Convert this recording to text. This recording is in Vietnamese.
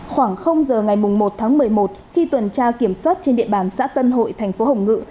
khoảng giờ ngày một tháng một mươi một khi tuần tra kiểm soát trên địa bàn xã tân hội thành phố hồng ngự